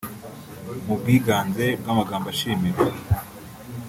Mu bwiganze bw’amagambo ashimira